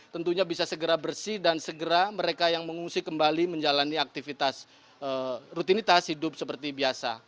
tentunya bisa segera bersih dan segera mereka yang mengungsi kembali menjalani aktivitas rutinitas hidup seperti biasa